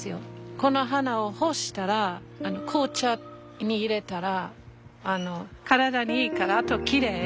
この花を干したら紅茶に入れたら体にいいからあときれい。